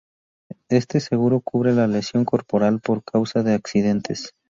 Este seguro cubre la lesión corporal por causa de accidentes.